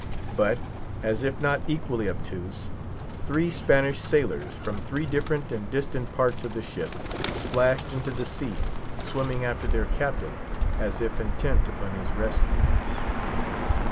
But, as if not equally obtuse, three sailors, from three different and distant parts of the ship, splashed into the sea, swimming after their captain, as if intent upon his rescue.